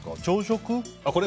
朝食？